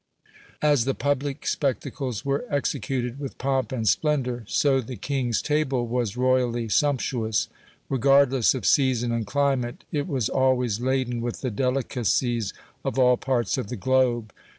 (75) As the public spectacles were executed with pomp and splendor, so the king's table was royally sumptuous. Regardless of season and climate, it was always laden with the delicacies of all parts of the globe.